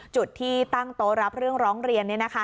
จุดที่ตั้งโต๊ะรับเรื่องร้องเรียน